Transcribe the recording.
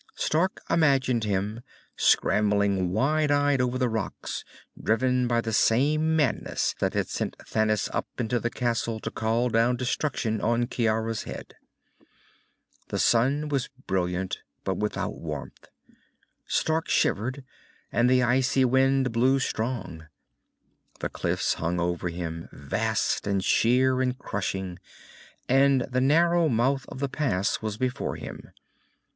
Stark imagined him, scrambling wild eyed over the rocks, driven by the same madness that had sent Thanis up into the castle to call down destruction on Ciara's head. The sun was brilliant but without warmth. Stark shivered, and the icy wind blew strong. The cliffs hung over him, vast and sheer and crushing, and the narrow mouth of the pass was before him.